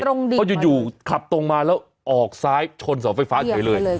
เพราะอยู่ขับตรงมาแล้วออกซ้ายชนเสาไฟฟ้าเฉยเลย